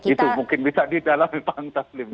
itu mungkin bisa didalam bang taslim